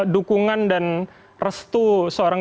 dukungan dan restu seorang